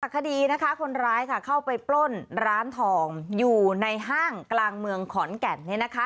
คดีนะคะคนร้ายค่ะเข้าไปปล้นร้านทองอยู่ในห้างกลางเมืองขอนแก่น